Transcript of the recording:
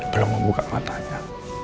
belum membuka matanya